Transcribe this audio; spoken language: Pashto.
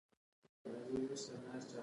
اویا زره پوځیان جبهو ته واستول.